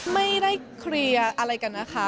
ไม่ได้เคลียร์อะไรกันนะคะ